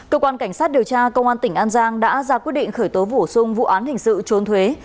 cơ quan cảnh sát điều tra công an tỉnh an giang đã ra quyết định khởi tố bổ sung vụ án hình sự trốn thuế